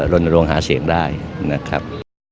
รณรงคหาเสียงได้นะครับ